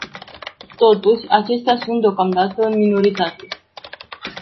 Totuși, acestea sunt deocamdată în minoritate.